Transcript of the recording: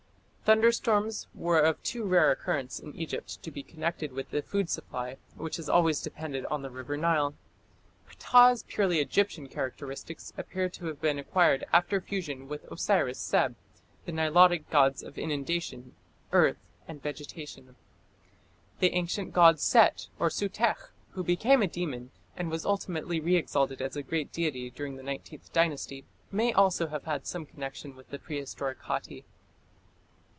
Thunderstorms were of too rare occurrence in Egypt to be connected with the food supply, which has always depended on the river Nile. Ptah's purely Egyptian characteristics appear to have been acquired after fusion with Osiris Seb, the Nilotic gods of inundation, earth, and vegetation. The ancient god Set (Sutekh), who became a demon, and was ultimately re exalted as a great deity during the Nineteenth Dynasty, may also have had some connection with the prehistoric Hatti.